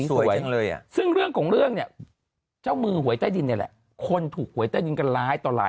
ถูกต้องไหมนะเป็นคนดีนะ